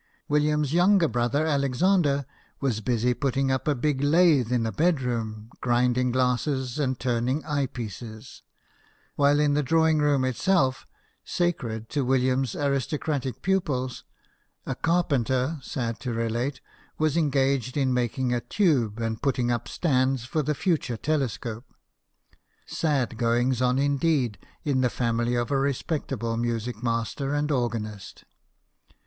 William's younger brother Alexander was busy putting up a big lathe in a bedroom, grinding glasses and turning eye pieces ; while in the drawing room itself, sacred to William's aristocratic pupils, a carpenter, sad to relate, was engaged in making a tube and putting up stands for the future telescopes. Sad goings on, indeed, in the family of a re spectable music master and organist